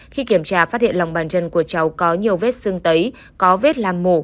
khi kiểm tra phát hiện lòng bàn chân của cháu có nhiều vết sưng tấy có vết làm mổ